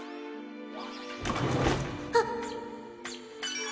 あっ！